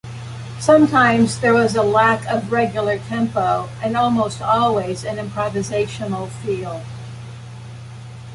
Sometimes there was a lack of regular tempo, and almost always an improvisational feel.